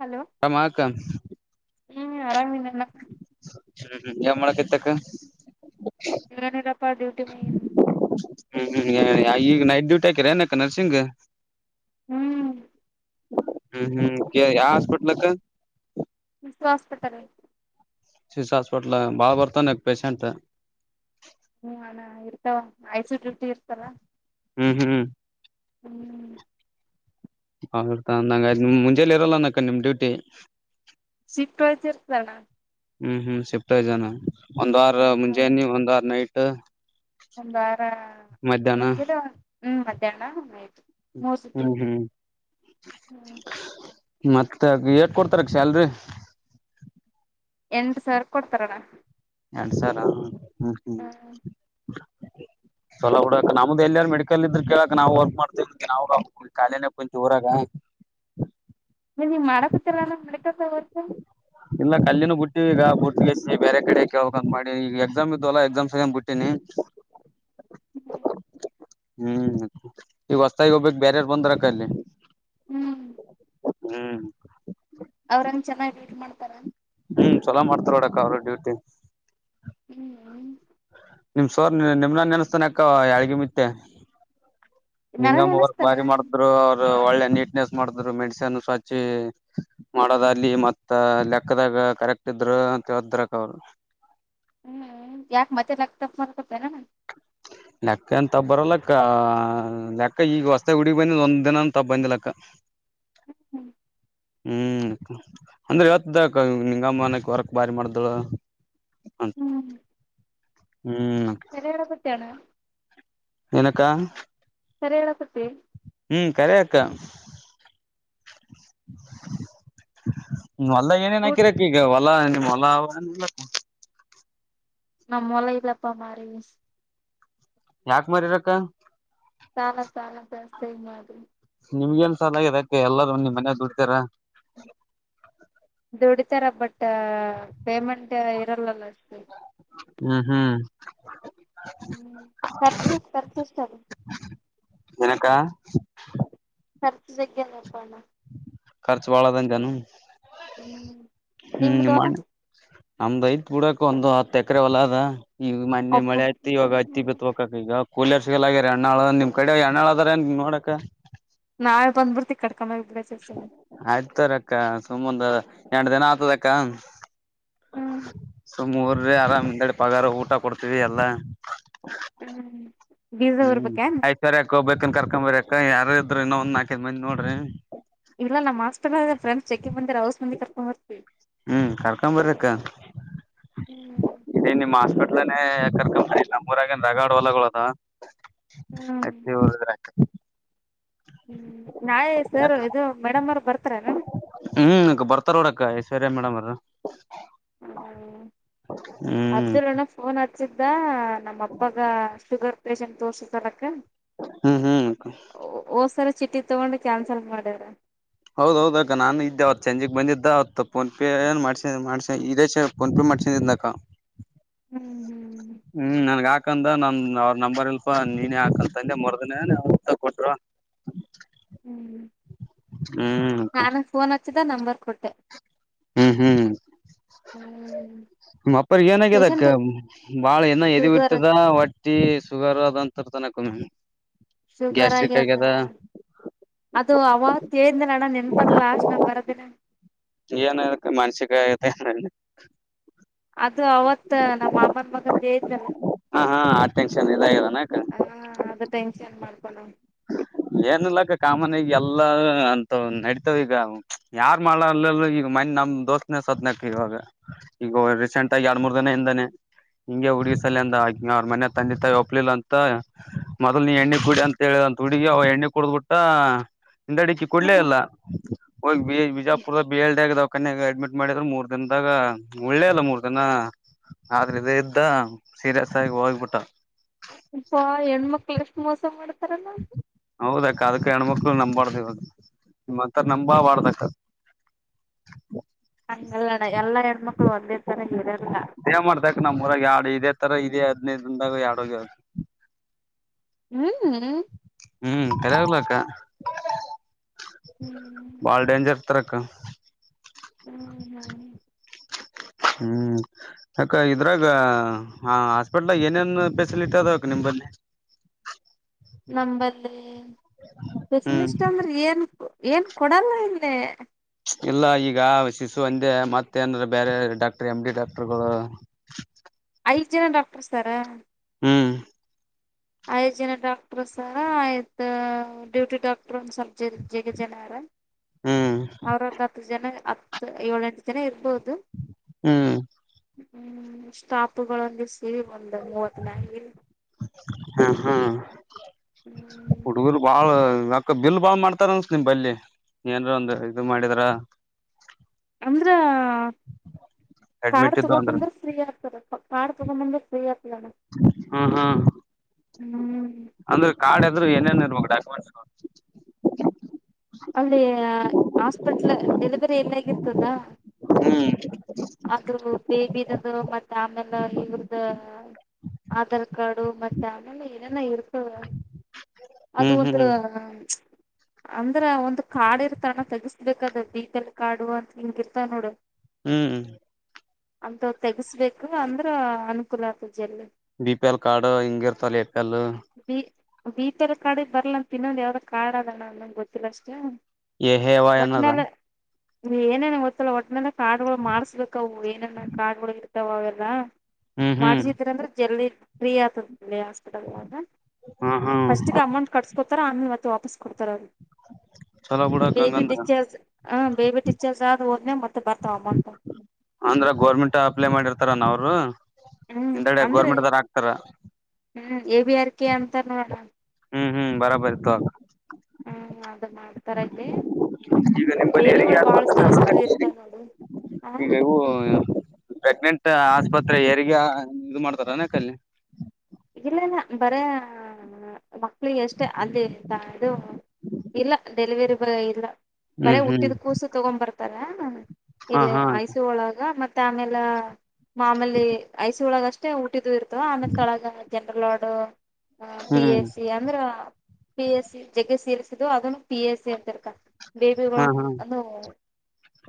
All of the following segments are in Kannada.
ಹಲೋ ಹಮಕ. ಹ್ಮ್ ಆರಾಮೇ ಅಣ್ಣ. ಹ್ಮ್ಮ ಯಾವ ಮಾಡತ್ ಇತಕ್ಕ. ಇಗಾನ ತಪ್ಪ ಡ್ಯೂಟಿ ಮಾಡಯಿ. ಹ್ಮ್ ಹ್ಮ ಈಗ ನೈಟ್ ಡೂಟ ಹಾಕಿರ ಏನಕಾ ನರ್ಸಿಂಗ್. ಹ್ಮ್. ಹ್ಮ್ ಹ್ಮ್ ಯಾವ ಹಾಸ್ಪಿಟಲಕ್ಕ. ಹಸ್ಪಿಟಲ್. ಸಿ ಹಾಸ್ಪಿಟಲ್ ಬಾ ಬರ್ತಾನೆ ಪೇಶಷೆಂಟ್. ಹೂ ಅಣ್ಣ ಇರ್ತಾವ ಐಸ ಡಿ್ಟಿ ಇರ್ತವ. ಹ್ಮ್ ಹ್ಮ್ ಹ್ಮ್ ಹರ್ತಾ ಅಂದಂಗ ನಿಮ್ ಮುಂಜೆಲಿ ಇರಲ್ಲ ನಕ ನಿಮ್ ಡ್ಯೂಟಿ. ಸಿಫ್ಟ ಹಯ್ತಿ ಇರ್ತಾನ. ಹ್ಮ್ ಹ್ಮ್ ಶಿಫ್ಟ್ ಐ ಜಾನ ಒಂದ್ ವಾರ ಮುಂಜಾನಿ ಒಂದ್ ವಾರ ನೈಟ್. ಒಂಬಾರ ಮಧ್ಯಾಹ್ನ ಮುಂಜಾನ ಹ್ಮ್ ಮಧ್ಯಾಹ್ನ ಆಯ್ತು. ಹ್ಮ್ ಮೋಸಿಕತ ಹ್ಮ್ ಹ್ಮ. ಮತ್ತ ಎಟ್ ಕೊಡ್ತಾರಕ್ ಶ್ಯಾಲ್ರಿ. ಎಂಟು ಸಾವಿರ ಕೊಡ್ತಾರಣ್ಣ. ಎರಡ್ ಸಾವರ ಹ್ಮ ಹ್ಮ್. ಸಲ ಹುಡಾಕ ನಮ್ದು ಎಲ್ಲಾರು ಮೆಡಿಕಲ್ ಇದ್ರೆ ಕೇಳಾಕ್ ನಾವು ವರ್ಕ್ ಮಾಡ್ತೇವಿ ನಾಲನ ಕಾಲಿನ ಕುಂತಾವ ಊರಾಗ. ನೀ ನೀ ಮಾಡಕತ್ತರಾನ ಮೆಡಿಕಲ್ ದಾಗ ವರ್ಕ್. ಇಲ್ಲ ಅಲ್ಲಿನೂ ಬಿಟ್ಟಿವಿ ಈಗ ಬುಟ್ಟ ಎಿ ಬೇರೆ ಕಡೆ ಕೇಳಬೇಕಂತ ಮಾಡಿ ಈಗ ಎಕ್ಸಾಮ್ ಇದ್ದಲ್ಲ ಎಕ್ಸಾಮ್ ಸ್ ಬಿಟ್ಟಿನಿ. ಹ್ಮ್ ಈಗ ಹೊಸತಾಗಿ ಹೋಗ್ಬೇಕಕ್ ಬ್ಯಾರರ್ ಬಂದರಕಲ್ಲಿ. ಹ್ಮ್ ಹ್ಮ್ ಅವ್ರಂಗ ಚೆನ್ನಾಗ್ ಮಾಡ್ತಾರ. ಹ್ಮ್ ಚಲೋ ಮಾಡ್ತಾರ ನೋಡಕ್ಕ ಅವ್ರರು ಡ್ಯೂಟಿ. ಹ್ಮ್ ನಿಮ್ ಸೋರ್ ನಿಮನ ನೆನಸ್ತಾನ ಅಕ್ಕ ಯಳ್ಗಿ ಮತ್ತೆ. ನನನ್ ನಿಂಗಮ್ಮ ಅವರ್ ಅನಸ್ತಾನ ಬಾರಿ ಮಾಡಿದ್ರು. ಒಳ್ಳೆ ನೀಟ್ನೆಸ್ ಮಾಡ್ರು ಮೆಡನ್ ಸ್ವಛಿ ಮಾಡೋದಲ್ಲಿ ಮ ಲೆಕ್ಕದಾಗ ಕರೆಕ್ಟ್ ಇದ್ರು ಅಂತೇಳ್ದರಕ ಅವ್ರು ಹ್ಮ್ ಯಾಕೆ ಮತ್ತೆ ಕ್ಟಾಪ್ ಮಾಡಕೊತನೆ ನು ಲೆಕ್ಕ ಅಂತ ತ ಬರಲ್ಲಕ್ಕ ಲೆಕ್ಕ ಈಗ ಹೊಸತೆ ಹುಡಗ ಬಂದ ಒಂದ್ ದಿನ ತ ಬಂದಿ ಲಕ್ಕ ಹ್ಮ್ ಹ್ಮ್ ಹ್ಮ್ ಅಂದ್ರೆ ಯಾವತ್ತದ ನಿಂಗಮ್ಮನಕ್ ಹೊರಕ್ ಬಾರಿ ಮಾಡ್ದಳ ಹ್ಮ್ ಹ್ಮ್ ಚರಡೆ ಪತಿಯಣ ನಕ್ಕಾ ಸರಿ ಹೇಳಕತ್ತಿ ಹ್ಮ್ ಕರಕ್ಕಾ ನಲ್ಲ ಊಟ್ ಏನೇನಕಿರಕ್ಕೆಗ ಅಲ್ಲ ಮಲ್ಲ ಅವಲ್ಲ ನಮ್ಮ ಮುಲಲಿಪ್ಪ ಮಾಡಾರ ಯಾಕ ಮರಿರಕ್ಕ ಸಾಲ ಸಾಲ ಪಸ ಮಾಡ್ರ ನಿಮ್ಗೆನ್ ಸಲ ಆಗಿದೆ ಅಕ ಎಲ್ಲದ ನಿಮ್ ಮನೆ ದುಡಿತರಾ ದುಡಿತಾರ ಬಟ್ ಪೇಮೆಂಟ್ ಇರಲ್ಲಲ್ಲ ಅಷ್ಟು ಹ್ಮ್ ಹ್ಮ್ ಹ್ಮ ಪರ್ಚೆಸ್ ಪರ್ಚೆಷ್ಟ ಏನಕ್ಕ ರ್ಚು ಜಗ್ ನಪ್ಪಣ ಕರ್ಚುವಾಳ ತಂದಾನ ಹ್ಮ್ ಹ್ಮ್ ನಿಮ್ದು ಹೊಲ ನಿಮನ್ ನಮಐತ್ ಬುಡೋ ಒಂದು ಹತ್ತು ಎಕರೆ ಒಲದ ಈಗ ಮನೆ ಅಬ್ಬಾ ಮಳೆ ಆಯ್ತು ಇವಾಗ ಹತ್ತಿ ಬಿತ್ ಹಕಕ್ ಈಗ ಕೂಲಿಯರ್ಸಿಲ್ಲ ಆಗ್ಯಾರ ಅಣ್ಣಾಳ ನಿಮ್ ಕಡೆ ಹಣ್ಣಳ ಅದಾರ ನೋಡಕ್ ನಾಳ ಬಂದ್ಬಿಡ್ತ ಕಡೆ ಆಯ್ತಾರ ಅಕ್ಕ ಸುಮ್ಮಂದ ಎರಡು ದಿನ ಆತದ ಅಕ್ಕ ಹ್ಮ್ ಸುಮ್ರ ಆರಾಮಡೆ ಪಗಾರ ಊಟ ಕೊಡ್ತೀವಿ ಎಲ್ಲಾ ಹ್ಮ್ ಬೀಜ ಹ್ಮ್ ಊರ್ಬೇಕೇನ್ ಐಶ್ವರ್ಯಾಕ ಹ್ಬೇಕನ್ ಕರ್ಕೊಂಬರಾಕ ಯಾರ ಇದ್ರು ಇನ್ನೊಂದ್ ನಾಲ್ಕೈದ್ ಮಂದಿ ನೋಡ್ರಿ ಇಲ್ಲ ನಮ್ಮ ಮಾಸ್ ಫ್ರೆಂಡ್ಸ್ ಚೆಂಗ ಬಂದರ ಹೌಸ್ ಮಂದಿ ಕರ್ಕೊ ಬ ಹ್ಮ್ ಕರ್ಕೊ ಬರಕ್ಕ ಹ್ಮ್ ಇದ ನಿಮ್ಮ್ ಹಸ್ಪ ಎಲ್ಲ ಕರ್ಕ ಮಾಡಿಲ್ಲ ಮೂರಗ ರಗಡ್ ಹೊಲದು ಹ್ಮ್ ಹ್ಮ್ ನಾಯಿ ಸರ್ ಇದು ಮೇಡಮ್ ಅವರು ಬರ್ತಾರ ನಣ ಹ್ಮ್ ಬರ್ತಾರ ನೋಡಕ್ಕ ಐಶ್ವರ್ಯ ಮೇಡಮ್ ಅವ ಹ್ಮ ಹ್ಮ್ ಅಬ್ದುಲ್ಲಣ ಫೋನ್ ಆ ಸಿದ್ದ ನಮ್ಮ ಅಪ್ಪಗ ಶುಗರ್ ಪೇಷೆಂಟ್ ತೋರ್ಷಲಕ್ಕ ಹ್ಮ್ ಹ್ಮ್ ಚಿಟಿ ತೊಗೊಂಡು ಕ್ಯಾನ್ಸಲ್ ಮಾಡ್ಯವ್ರ ಹೌದೌದ ಅ ನಾನು ಇದ್ದೆ ಅವತ್ ಸಂಜೆಗ್ ಬಂದಿದ್ದ ಅವತ್ ಫೋನ್ಪೇ ಮಾಡ್ಸ ಮಾಡ್ಸ ಇದೇ ಫೋನ್ಪೇ [unintelligible] [inaudible] ಯಾಕಂದ ನನ್ ಅವ್ರ ನಂಬರ್ ಇಲ್ಪ ನೀನೇ ಹಾಕಂತಂದೆ ಮರ್ದಿನ ತ ಕೊಟ್ರು ಹ್ಮ್ ಹೆಚ್ಚಿದ ನಂಬರ್ ಕೊಟ್ಟೆ ಹ್ಮ್ ಹ್ಮ್ ಹ್ಮ್ ಹ್ಮ್ ನಿ ಅಪ್ಪರ್ಗ ಏನಾಗದ ಪೇಶೆಂಟ್ ಅಕ್ಕ ಬಾಳ ಏನ ಎದ ಶುಗರ್ ಇರ್ತದ ವಟ್ಟಿ ಸುಗರ್ ಅದಂತ [unintelligible] ಶುಗರ್ ಆಗ್ಯದ ಅದು ಅವಣ ನನಪತ್ ಲಾಸ್ಟ್ ನ ಬರೋದಿನ ಏನಕ್ಕೆ ಮಾನಸಿಕತೆ ಏನ [unintelligible] [inaudible] ಅದು ಅವತ್ತ ನಮ್ಮ ಮಾಮನ ಮಗನ್ ಹೇಳ್ದಲ್ಲ ಹಾ ಹಾ ಆ ಟೆನ್ಷನ್ ಇದಾಗ್ಯದನಕ ಹಾ ಅದು ಟೆನ್ಷನ್ ಮಾಡ್ಕೊೊಂಡ ಏನಿಲ್ಲ ಕ ಕಾಮನ್ ಆಗಿ ಎಲ್ಲಾ ಲ್ಲ ಅಂತ ನಡತಾವ ಈಗ ಯಾರ ಮಾಡಲ್ಲ ಈಗ ಮ ನಮ್ ದೋಸ್ತನ ಸತ್ ನಕ ಈಗ ರೀಸೆಂಟ್ ಆಗಿ ಎರರ್ ಮೂರ್ ದನ ಹಿಂದಾನೆ ಹಿಂಗೆ ಹುಗಿಸಸಲ್ ಅಂದ ಆ ಅವ್ರ ಮನೆ ತಂದೆ ತಾಯಿ ಒಪ್ಲಿಲ್ಲ ಅಂತ ಮೊದ್ಲ್ ನೀ ಎಣ್ಣ ಕುಡಿ ಅಂತ ಹೇಳ ಹುಡಿ ಅವ ಎಣ್ಣೆ ಕುಡ್ದ್ಬಿಟ್ಟ ಇಂಡಡಿಕ್ಕಿ [unintelligible] ಕೊಡ್ಲೇ ಹ್ಮ ಅಲ್ಲ ಹೋಗಿ ಬಿಜಾಪುರದ ಬಲ್ಡೆಗದ ಕನ್ಯಾಗ ಅಡ್ಮಿಟ್ ಮಾಡಿದ್ರ ಮೂರ್ ದಿನದಾಗ ಒಳ್ಳೇ ಅಲ್ಲ ಮೂರ್ ದಿನ ಆದ್ರೆ ಇದ ಇದ್ದ ಸೀರಿಯಸ್ ಆಗಿ ಹೋಗ್ಬಿಟ್ಟ ಇಪ್ಪಾ ಹೆಣ್ಮಕ್ಕಳ ಎಷ್ಟು ಮೋಸ ಮಾಡ ಹೌದಕ್ಕ ಅದಕ್ಕೆ ಹೆಣ್ಮುಕ್ ನಂಬಾರ್ದು ನಿಮ್ ಅಂತರ ನಂಬಾ ಬಡ್ದಕ್ ಹಂಗೆಲ್ಲಾ ಅಣ್ಣ ಎಲ್ಲಾ ಹೆಣ್ಮಕ್ಕಳು ಒಂದತರ ಇರಲ್ಲ ಆ ತರ [unintelligible] ಇದೆ ಹದ್ನೈದಂದಾಗ ಯಡೋಗ್ಯದು ಹ್ಮ್ ಹ್ಮ್ ಹ್ಮ್ ರಾಗಲಕ್ಕ [unintelligible] ಬಾಳ ಡೇಂಜರ್ [unintelligible] ಅಕ್ಕ ಹ್ಮ್ ಹ್ಮ್ ಹ್ಮ್ ಅಕ್ಕ ಇದ್ರಾಗ ಹಾಸ್ಪಿಟ್ಲ್ ಏನೇನ್ ಫೆಸಿಲಿಟಿ ಅದ ಅ ನಿಮ್ದಲ್ಲಿ [unintelligible] ನಮ್ಮಲ್ಲಿ ಹ್ಮ್ ಸ್ಪೆಷಲಿಸ್ಟ್ ಅಂದ್ರೆ ಏನ್ ಏನ್ ಕೊಡಲ್ಲ ಇಲ್ಲೇ ಎಲ್ಲ ಈಗ ಶಿಶು ಅಂದೇ ಮತ್ತ ಏನ್ರ ಬೇರೆ ಡಾಕ್ಟರ್ ಎಮ್ ಡಿ ಡಾಕ್ಟರ್ಗಳು ಐದು ಜನ ಡಾಕ್ಟರ್ ಸಾರಾ ಹ್ಮ್ ಐದುು ಜನ ಡಾಕ್ಟ್ರ ಸ ಆಯ್ತು ಡ್ಯೂಟಿ ಡಾಕ್ಟ್ರ ಒಂದುಸಲ್ ಜ [unintelligible] ಜಗ ಜನಾರ ಹ್ಮ್ ಅವ್ರ ಒಂದ್ ಹತ್ತು ಜನ ಹತ್ತು ಏಳೆಂಟು ಜನ ಇರ್ಬೋದು ಹ್ಮ್ ಹ್ಮ್ ಸ್ಟಾಪುಗಳಲ್ಲಿ ಇ ಬಂದು ಮೂವತ್ನ ಹಾ ಹಾ [unintelligible] ಹುಡುಗರು ಬಾಳ ಇವಕ್ಕ ಬಿಲ್ ಬಾವ್ ಮಾಡ್ತಾರನ್ಸ ನಿಮ್ ಬಲ್ಲಿ ಏನ್ರ ಒಂದು ಇದು ಮಾಡಿದ್ರ ಅಂದ್ರ ಕಾರ್ ಅಡ್ಮಿಟ್ ಇದ್ದು ತಗೊಂಡ್ ಅಂದ್ರ ಬಂದ್ರ ಫ್ರೀ ಆಗ್ತದ ಕರ್ ತಗೊಂಬಂದು ಫ್ರೀ ಆಗ್ತಾರೆ ಹ್ಮ ಹ್ಮ ಹ್ಮ್ ಅಂದ್ರೆ ಕಾಡೆದ [unintelligible] ಏನೇನು ಇರ್ಮ ಡಾಕ್ಯುಮೆಂಟ್ಸ್ಗಳು ಅಲ್ಲಿ ಆಾಸ್ಪಿಟ್ಲ್ ಡೆಲಿವರಿ ಎಲ್ಲಗರ್ತದಾ ಹ್ಮ್ ಆದ್ರೂ ಬೇಬಿದದು ಮತ್ತೆ ಆಮೇಲೆ ಇವ್ರ್ದ ಆಧಾರ್ ಕಾರ್ಡು ಮತ್ತೆ ಆಮೇಲೆ ಏನನ ಇರುತ್ತ ಹ ಅದು ಹ್ಮ್ ಹ್ಮ್ ಒಂದು ಅದ್ರ ಒಂದು ಕಾಡ್ ಇರ್ತ ಅಣ ತೆಗಸ್ಬೇಕ ಅದ ಬೀದಲ್ಲಿ ಕಾಡು ಅಂತ ಹಿಂಗ ಇರ್ತಾವ ನೋಡು ಹ್ಮ್್ಮ ಅಂತವ ತೆಗಸ್ಬೇಕು ಅಂದ್ರೆ ಅನುಕೂಲ ಆಗ್ತದೆ ಬಿ ಪಿ ಎಲ್ ಕಾರ್ಡ್ ಹಿಂಗ ಇರ್ತಲ್ ಏರ್ಪೆಲ್ ಬಿ ಬಿ ಪಿ ಎಲ್ ಕಾರ್ಡಿಗೆ ಬರಲ್ಲ ಅಂತ ತಿನ್ನೊಂದು ಯಾವು್ದ ಕಾರ್ ಅದಣ್ಣ ನಮ್ಗೆ ಗೊತ್ತಿಲ್ಲ ಅಷ್ಟೇ ಎಹೇವಾ ಎದಾ ಏನೇನ ಗೊತ್ತಲ್ಲ ಒಟ್ಟ ಮೇಲೆ ಕಾರ್ಡ್ಗಳು ಮಾಡಸ್ರರೇಕವು ಏನೇನ ಕಾರ್ಡ್ಗಳು ಇರ್ತಾವ ಅವೆಲ್ಲಾ ಹ್ಮ್ ಹ್ಮ್ ಮಾಡ್ರರಿಸಿದೀರಂದ್ರೆ ಜಲ್ದಿ ಫ್ರೀ ಆತದ ಲ್ಲೇ ಹಾಸ್ಪಿಟಲ್ದಾಗ ಹ್ಮ್ ಹ್ಮ್ ಫಸ್ಟಿಗೆ ಅಮೌಂಟ್ ಕಟ್ಸ್ಕೊಡ್ತಾರ ಆಮೇಲೆ ಮತ್ತೆ ವಾಪಸ್ ಕೊಡ್ತಾರ ಅವರಿಗ [inaudible] ಚಲೋ ಬಿಡಕ್ ಬೇಬಿ ಹಂಗಂದ್ರ ಡಿಸ್ಚಾರ್ಜ್ ಹಾಂ ಬೇಬಿ ಡಿಸ್ಚಾರ್ಜ್ ಆದ ಹೋದ ಮ್ಯಾಗ್ ಮತ್ತೆ ಬರ್ತಾವ ಅಮೌಂಟ ಅಂದ್ರ ಗೋರ್ಮೆಂಟ್ ಅಪ್ಲೈ ಮಾಡಿರ್ತಾರ ನಾವ್ರು ಹ್ಮ್ ಹಿಂದಗಡೆ ಗೋರ್ಮೆಂಟ್ದಾರ ಆಕ್ತಾರ ಹ್ಞೂ ಎ ಬಿ ಆರ್ ಕೆ ಅಂತಾರ್ ನೋಡಣ ಹ್ಮ್ ಹ್ಮ್ ಬರಾಬರಿ ತುಗೋ ಹ್ಮ್ ಅದ ಮಾಡ್ತಾರಿಲ್ಲೇ ಈಗ ಮತ್ತ್ ನಿಮ್ ಬಲ್ಲಿ ಹೆರಿಗೆ ಬೇಬಿಗಳು ಬಾಳ ಸೀರಿಯಸ್ ಇದ್ದಿದ್ವ ಆದ್ಮೇಲೆ ಇರ್ತಾವ್ ನೋಡು ಆ ಈಗ ಇವು ಪ್ರೆಗ್ನೆಂಟ್ ಆಸ್ಪತ್ರೆ ಹೆರಿಗೆ ಇದು ಮಾಡ್ತಾರನಕ್ಕ ಅಲ್ಲೆ ಇಲ್ಲ ಇಲ್ಲ ಬರೇ ಮಕ್ಳಿಗೆ ಅಷ್ಟೇ ಅಲ್ಲಿ ಇದು ಇಲ್ಲ ಡೆಲಿವರಿ ಬಾಯ್ ಇಲ್ಲ ಬರೇ ಹ್ಮ್ ಹ್ಮ್ ಹುಟ್ಟಿದ್ ಕೂಸು ತಗೊಂಡ್ ಬರ್ತಾರ ಹಾ ಇಲ್ಲ ಹಾ ಆಯಸ ಒಳಗ ಮತ್ತ ತ್ತ ಆಮೇಲೆ ಮಾಮೂಲಿ ಐಸಿಯು ಒಳಗ ಅಷ್ಟೇ ಹುಟ್ಟಿದ್ದು ಇರ್ತವ ಆಮೇಲೆ ತೆಳಗ ಜನರಲ್ ವಾರ್ಡ್ ಪಿ ಹ್ಮ್ ಎಸ್ ಸಿ ಅಂದ್ರ ಪಿ ಎಸ್ ಸಿ ಜಗ್ಗೆ ಸೀರೀಯಸ್ ಇದ್ದು ಅದನ್ನು ಪಿ ಎಸ್ ಸಿ ಅಂತರ್ತಾವ್ ಬೇಬಿಗಳು ಹಾ ಹಾ ಅಂದ್ರ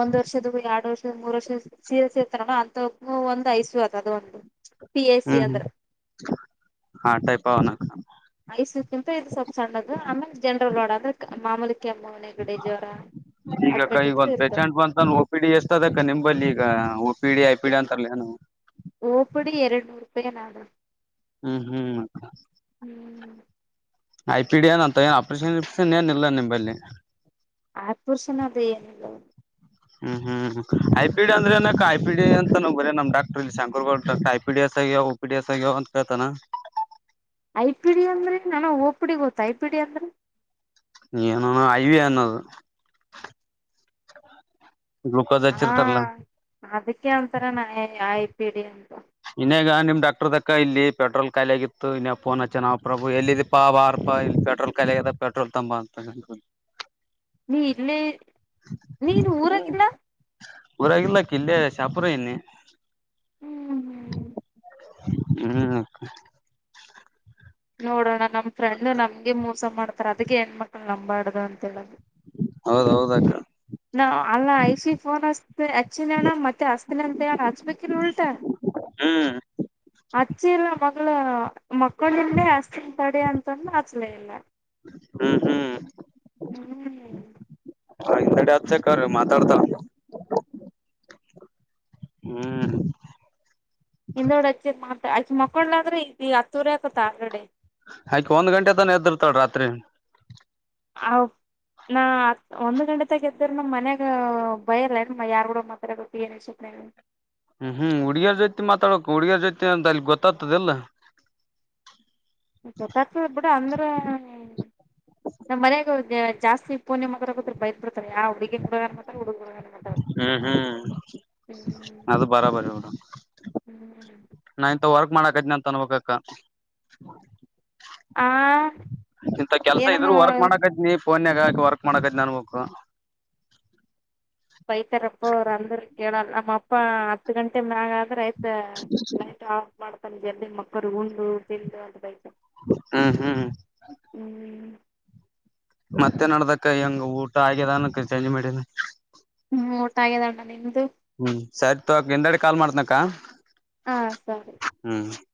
ಒಂದ್ ವರ್ಷದ್ವೂ ಎರಡು ವರ್ಷ ಮೂರು ವರ್ಷ ಸೀರೆಸ್ ಇರ್ತಾರ ಅಂತವಕ್ಕೂ ಒಂದು ಐಸಿಯು ಅದ ಅದು ಒಂದು ಪಿ ಎ ಸಿ ಅಂದ್ರ ಹಾ ಟೈಪಾವನಕ್ಕ ಐಸಿಯು ಕ್ಕಿಂತ ಇದು ಸ್ವಲ್ಪ್ ಸಣ್ಣದ ಆಮೇಲೆ ಜನರಲ್ ವಾರ್ಡ್ ಅಂದ್ರೆ ಮಾಮೂಲಿ ಕೆಮ್ಮು ನೆಗಡಿ ಜ್ವರ ಈಗಕ್ಕ ಅಡ್ಮಿಟ್ ಈಗ ಇದ್ದು ಒಂದ್ ಇರ್ತವ ಪೇಶೆಂಟ್ ಬಂತಾನ ಓ ಪಿ ಡಿ ಎಷ್ಟದಕ್ಕ ನಿಂಬಲ್ಲಿ ಈಗ P D I P D ಅಂತರಲ್ಲೇನು ಓಪಿಡಿ ಎರಡ್ನೂರೂಪಾಯಿ ಏನದ ಹ್ಮ್ ಹ್ಮ್ ಅಕ್ಕ ಹ್ಮ್ ಐ ಪಿ ಡಿ ಏನ್ಂತ ಏನ್ ಆಪ್ರೇಷನ್ ಗೀಪ್ರೇಷನ್ ಏನ್ ಇಲ್ಲ ನಿಂಬಲ್ಲಿ ಆಪರೇಷನ್ ಅದ ಏನು ಇಲ್ಲ ಹ್ಮ್ ಹ್ಮ್ ಹ್ಮ್ ಐ ಪಿ ಡಿ ಅಂದ್ರೆನಕ್ಕ ಐ ಪಿ ಡಿ ಅಂತ ಬರಿ ನಮ್ doctor Shankar Gowda doc I P D O P D S ಅಗ್ಯಾವ್ ಅಂತ ಕೇಳ್ತಾನ ಐ ಪಿ ಡಿ ಅಂದ್ರೇನಣ ಓಪಿಡಿ ಗೊತ್ತ ಐ ಪಿ ಡಿ ಅಂದ್ರ ಏನೋ ಐವೀ ಅನ್ನದು ಹಾ ಅದಕ್ಕೆ ಅಂತಾರೇ ನಾ ಐ ಪಿ ಡಿ ಅಂತ ಇನ್ಯಾಗ ನಿಮ್ ಡಾಕ್ಟರ್ದ ಅಕ್ಕ ಇಲ್ಲಿ ಪೆಟ್ರೋಲ್ ಖಾಲಿ ಆಗಿತ್ತು ಇನ್ನಾಗ ಫೋನ್ ಹಚ್ಚೆ ನ ಪ್ರಭು ಎಲ್ಲಿದಿ ಪಾ ಬಾರ್ ಪಾ ಇಲ್ಲಿ ಪೆಟ್ರೋಲ್ ಖಾಲಿ ಆಗೆದ ಪೆಟ್ರೋಲ್ ತಂಬ ಅಂತಂದ ಹೂಂ ನೀ ಇಲ್ಲೇ ನೀನ್ ಊರಾಗಿಲ್ಲ ಊರಾಗಿಲ್ಲಕಿ ಇಲ್ಲೆ ಶಾಪುರದಾಗಿದ್ನಿ ಹ್ಮ್ ಹ್ಮ್ ಹ್ಮ್ ಅಕ್ಕ ನೋಡೋಣಾ ನಮ್ ಫ್ರೆಂಡ್ ನಮ್ಗೆ ಮೋಸ ಮಾಡ್ತಾರ ಅದಕ್ಕೆ ಹೆಣ್ ಮಕ್ಳ ನಂಬಾಡ್ದ ಅಂತ ಹೇಳದು ಹೌದೌದಕ್ಕ ನಾ ಅಲ್ಲ ಐ ಸಿ ಫೋನ್ ಹಸ್ ಹಚ್ಚಿನ ಅಣ್ಣ ಮತ್ತೆ ಹಸ್ತಿನಿ ಅಂತ ಹೇಳಣ ಹಚ್ಬೇಕಿಲ್ ಉಲ್ಟಾ ಹ್ಮ್ ಅಚ್ಚೀರ ಮ ಮಕ್ಕಂಡೀನ್ಲೇ ಹಸ್ತಿನ್ ತಡಿ ಅಂತಂದ್ಲ ಹಚ್ಚಲೇ ಇಲ್ಲ ಹ್ಮ್ ಹ್ಮ್ ಹ್ಮ್ ಹಾ ಹಿಂದಡೆ ಹಚ್ಚಾಕರ ಮಾತಾಡ್ತಾಳ್ನ ಹ್ಮ್ ಹಿಂದಡೆ ಹಚ್ಚಿದ್ರ ಮಾತ್ ಅಕಿ ಮಕ್ಕೊಂಡ್ಳಂದ್ರ ಈಗ ಹತ್ತೂವರಿ ಆತಂತ್ತ ಆಲ್ರೆಡಿ ಆಕಿ ಒಂದ್ ಗಂಟೆ ತಾನ ಎದಿರ್ತಾಳ ರಾತ್ರಿ ಹ ನಾ ಹತ್ ಒಂದ್ ಗಂಟೆ ತ ಎದ್ದ್ರ ನಮ್ ಮನ್ಯಾಗ ಬಯರ್ಲ್ಲ ಯಾರೂರೂಡ ಮಾತ್ರ ಗ ಹಾ ಹ್ಮ್ ಹ್ಮ್ ಹುಡುಗಿಯರ ಜೊತಿ ಮಾತಾಡಕ ಹುಡುಗಾರ್ ಜೊತಿ ಅಂತ ಅಲ್ಲಿ ಗೊತ್ತಾಗ್ತದೆಲ್ಲ ಗಾರ್ ಬಿಡ ಅಂದ್ರೆ ನಮ್ಮ್ ಮನಗೆ ಹ ಜಾಸ್ತಿ ಪೋ ನಿಮರ ಹ ಬಯರ್ ಬಿಡ್ತಾರ ಯಾ ಹುಗ ಹಡುಗತ್ರ ಹುಡುಗ ಹುಗ ಹ್ಮ್ ಹ್ಮ್ ಹ್ಮ್ ಅದು ಬರಾಬರಿ ಇರು ಹ್ಮ್ ನಾ ಇಂತ ವರ್ಕ್ ಮಾಡಕದನಿ ಅಂತ ಅನ್ಬಕ್ಕ ಆ ಇಂತ ಕೆಲ್ಸ ಏನನು ಇದ್ರರು ವರ್ಕ್ ಮಾಡಕತ್ ನೀ ಫೋನ್ರರಾಗಾಕ ವರ್ಕ್ ಮಾಡಕತ್ ನನ್ಬೇಕು ಬೈತಾರಪ್ಪ ಅವರು ಅಂದ್ರ ಕೇಳಲ್ಲ ನಮ್ಮಪ್ಪ ಹತ್ತು ಗಂಟೆ ಮ್ಯಾಗಾದ್ರೆ ಆಯ್ತು ಲೈಟ್ ಆಫ್ ಮಾಡ್ತಾನ ಜಲ್ ಮಕ್ಕರು ಉುಂಡು ತಿಂದು ಅ ಬೈ ಹ್ಮ ಹ್ಮ್ ಹ ಹ್ಮ್ ಮತ್ತೆ ನಡ್ದಕ್ಕ ಹೆಂಗ್ ಊಟ ಆಗದಾನ ಚೇಂಜ್ ಮಾಡಿನ ಹ್ಮ ಊಟ ಆಗಿದೆ ಅಣ್ಣ ನಿಮು ಹ್ಮ್ ಸರಿ ತೋಕ್ ನಿಂಡಾಡೆ ಕಾಲ್ ಮಾಡ್ತನಕ್ಕ ಹಾ ಸರಿ ಹ